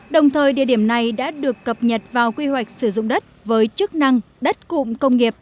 đồng thời địa điểm này đã được cập nhật vào quy hoạch sử dụng đất với chức năng đất cụm công nghiệp